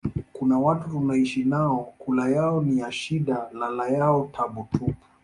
kuna watu tunaishi nao kula yao ni ya shida lala yao tabu tupu